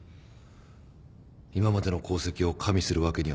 今までの功績を加味するわけにはいかない。